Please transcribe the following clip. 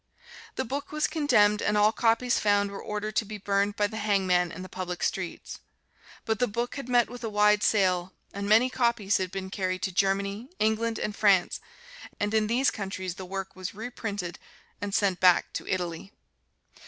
The book was condemned and all copies found were ordered to be burned by the hangman in the public streets. But the book had met with a wide sale and many copies had been carried to Germany, England and France, and in these countries the work was reprinted and sent back to Italy.